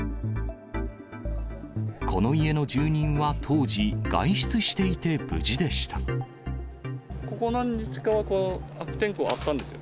この家の住人は当時、ここ何日かは悪天候あったんですよ。